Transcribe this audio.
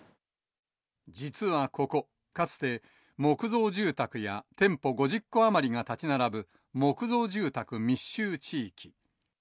実はここ、かつて木造住宅や店舗５０戸余りが建ち並ぶ木造住宅密集地域。